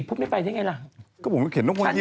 พูดไม่ไปได้ไงล่ะ